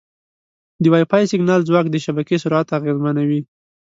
د وائی فای سیګنال ځواک د شبکې سرعت اغېزمنوي.